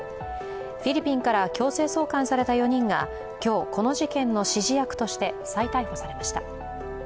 フィリピンから強制送還された４人が今日、この事件の指示役として再逮捕されました。